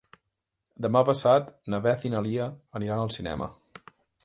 Demà passat na Beth i na Lia aniran al cinema.